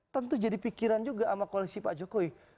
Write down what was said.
tentu jadi pikiran juga sama koalisi pak jokowi